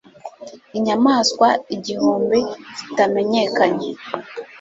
Inyamaswa igihumbi zitamenyekanye